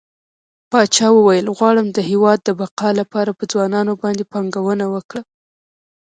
پاچا وويل غواړم د هيواد د بقا لپاره په ځوانانو باندې پانګونه وکړه.